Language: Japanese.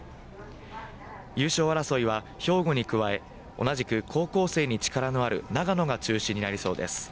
優勝争いは兵庫に加え、同じく高校生に力のある長野が中心になりそうです。